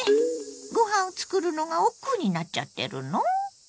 ご飯を作るのがおっくうになっちゃってるの？